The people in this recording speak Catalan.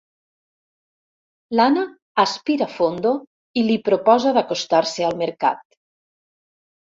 L'Anna aspira fondo i li proposa d'acostar-se al mercat.